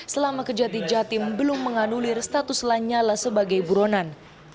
selama kejati jatim belum menganulir status lanyala sebagai buronan